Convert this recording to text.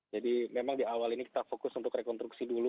jadi memang di awal ini kita fokus untuk rekonstruksi dulu